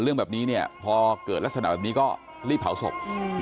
เรื่องแบบนี้เนี่ยพอเกิดลักษณะแบบนี้ก็รีบเผาศพ